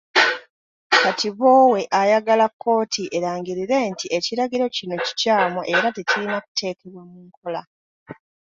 Kati Bwowe ayagala kkooti erangirire nti ekiragiro kino kikyamu era tekirina kuteekebwa mu nkola.